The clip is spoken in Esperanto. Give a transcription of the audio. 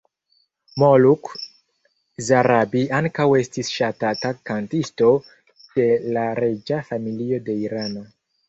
Moluk Zarabi ankaŭ estis ŝatata kantisto de la reĝa familio de Irano.